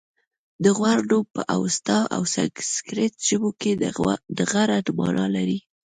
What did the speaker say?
د غور نوم په اوستا او سنسګریت ژبو کې د غره مانا لري